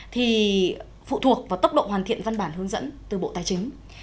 thì phụ thuộc vào tốc độ hoàn thiện văn bản hướng dẫn từ bộ tài chính